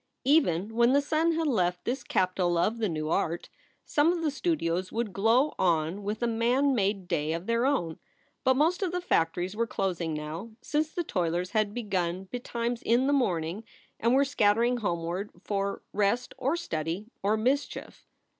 Even when the sun had left this capital of the new art, some of the studios would glow on with a man made day of their own. But most of the factories were closing now, since the toilers had begun betimes in the morning and were scattering homeward for rest or study or mischief.